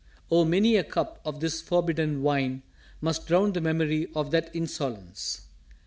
O, many a cup of this forbidden Wine Must drown the memory of that insolence.